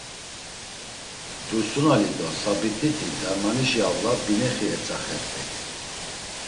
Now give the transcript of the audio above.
Dursunali do Sabit̆iti Darmanişi avla, binexi etzaxert̆ey.